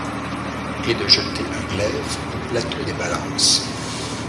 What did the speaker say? Et de jeter un glaive au plateau des balances ;